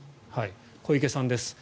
小池さんです。